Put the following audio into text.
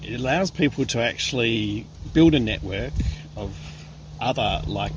ia membolehkan orang orang untuk membangun